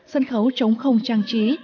sân khấu trống không trang trí